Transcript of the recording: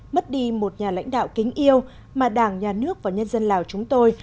mất đi một nhà lãnh đạo kính yêu mà đảng nhà nước và nhân dân lào chúng tôi